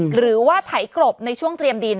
หรือว่าไถกรบในช่วงเตรียมดิน